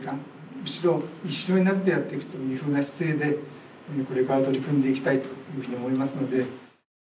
むしろ一緒になってやっていくというふうな姿勢でこれから取り組んでいきたいというふうに思いますので。